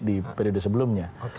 di periode sebelumnya